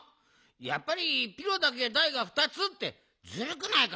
やっぱりピロだけだいがふたつってずるくないか？